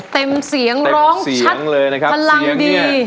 เต็มเสียงร้องชัดกำลังดี